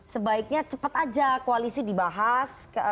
sebaiknya cepat aja koalisi dibahas